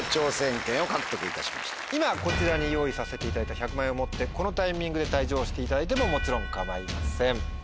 今こちらに用意させていただいた１００万円を持ってこのタイミングで退場していただいてももちろん構いません。